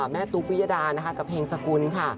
แม่ตุ๊กภิยดากับเพลงสกุลค่ะ